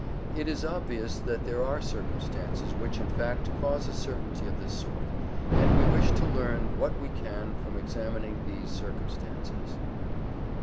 It is obvious that there are circumstances which in fact cause a certainty of this sort, and we wish to learn what we can from examining these circumstances.